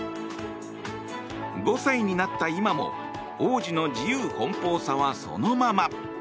５歳になった今も王子の自由奔放さはそのまま。